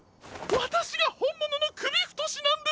わたしがほんもののくびふとしなんです！